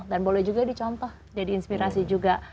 dan boleh juga dicontoh jadi inspirasi juga